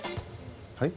はい？